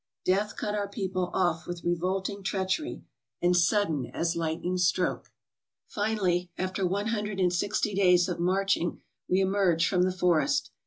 Death cut our people off with revolting treachery, and sud den as lightning stroke. Finally, after one hundred and sixty days of marching, we emerged from the forest.